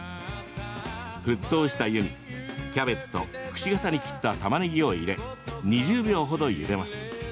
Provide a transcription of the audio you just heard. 沸騰した湯に、キャベツとくし形に切った、たまねぎを入れ２０秒程ゆでます。